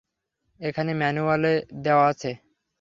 এখানে ম্যানুয়ালে দেওয়া আছে।